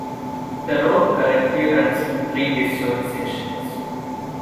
The road currently runs in three disjoint sections.